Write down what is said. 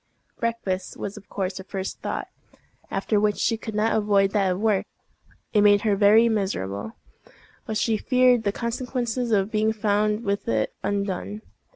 Breakfast was of course her first thought, after which she could not avoid that of work. It made her very miserable, but she feared the consequences of being found with it undone.